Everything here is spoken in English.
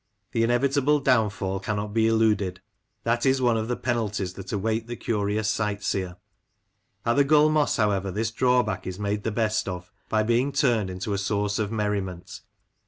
The inevitable downfall cannot be eluded That is one of the penalties that await the curious sight seer. At the Gull Moss, however, this draw back is made the best of, by being turned into a source of merriment.